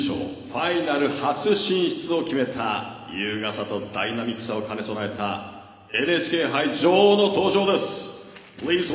ファイナル初進出を決めた優雅さとダイナミックさを兼ね備えたＮＨＫ杯女王の登場です！